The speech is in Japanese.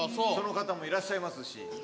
その方もいらっしゃいますし。